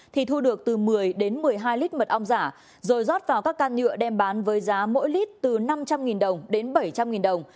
thì thu được từ một mươi đến một mươi hai lít mật ong giả rồi rót vào các can nhựa đem bán với giá mỗi lít từ năm trăm linh đồng đến bảy trăm linh đồng